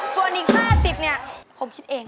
ส่วนนี้ห้าสิบเนี้ยผมคิดเอง